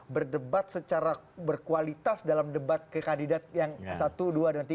berdebat secara berkualitas dalam debat ke kandidat yang satu dua dan tiga